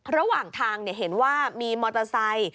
ระหว่างทางเห็นว่ามีมอเตอร์ไซค์